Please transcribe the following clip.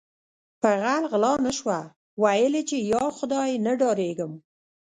په غل غلا نشوه ویل یی چې ی خدای نه ډاریږم